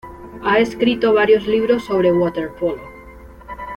Ha escrito varios libros sobre waterpolo.